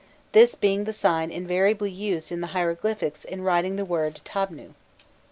this being the sign invariably used in the hieroglyphics in writing the word tàbnû.